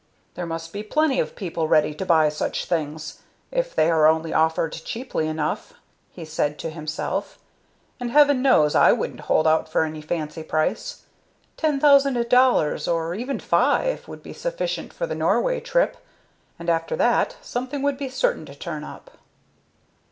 "There must be plenty of people ready to buy such things, if they are only offered cheaply enough," he said to himself; "and Heaven knows I wouldn't hold out for any fancy price. Ten thousand dollars, or even five, would be sufficient for the Norway trip, and after that something would be certain to turn up."